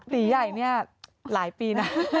ใหญ่เนี่ยหลายปีนะ